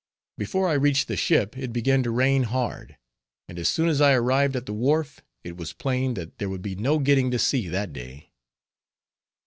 Before I reached the ship, it began to rain hard; and as soon as I arrived at the wharf, it was plain that there would be no getting to sea that day.